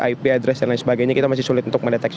ip address dan lain sebagainya kita masih sulit untuk mendeteksi